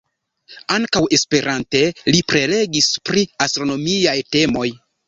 Ankaŭ Esperante li prelegis pri astronomiaj temoj.